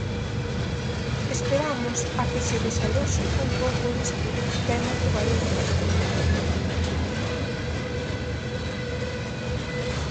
Esperamos a que se desaloxe un pouco isto, que hai moito barullo.